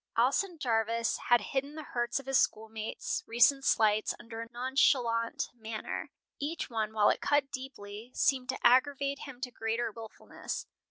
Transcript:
Alson Jarvis had hidden the hurts of his schoolmates' recent slights under a nonchalant manner. Each one, while it cut deeply, seemed to aggravate him to greater wilfulness.